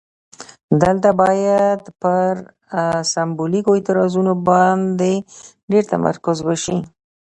دلته باید پر سمبولیکو اعتراضونو باندې ډیر تمرکز وشي.